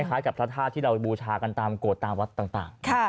คล้ายกับพระธาตุที่เราบูชากันตามโกรธตามวัดต่าง